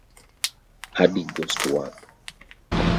Hardik goes to work.